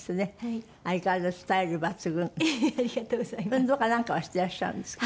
運動かなんかはしてらっしゃるんですか？